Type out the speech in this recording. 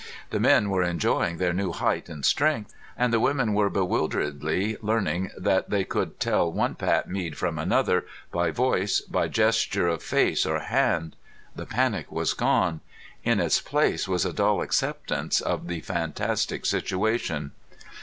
The men were enjoying their new height and strength, and the women were bewilderedly learning that they could tell one Pat Mead from another, by voice, by gesture of face or hand. The panic was gone. In its place was a dull acceptance of the fantastic situation.